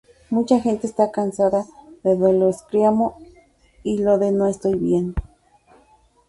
Mucha gente está cansada de lo del screamo y lo de "no estoy bien".